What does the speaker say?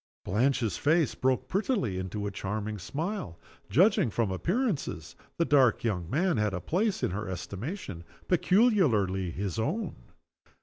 Blanche's face broke prettily into a charming smile. Judging from appearances, the dark young man had a place in her estimation peculiarly his own.